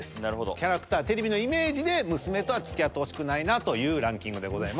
キャラクターテレビのイメージで娘とは付き合ってほしくないなというランキングでございます。